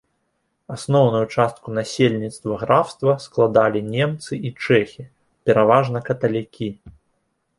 Асноўную частку насельніцтва графства складалі немцы і чэхі, пераважна каталікі.